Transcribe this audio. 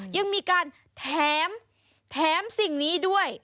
ยังมีการแถมแถมสิ่งนี้ด้วย